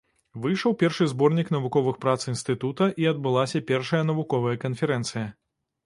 Выйшаў першы зборнік навуковых прац інстытута і адбылася першая навуковая канферэнцыя.